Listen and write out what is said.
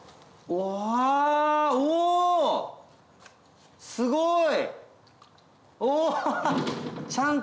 うおすごい！